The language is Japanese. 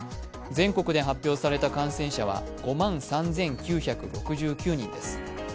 全国で発表された感染者は５万３９６９人です。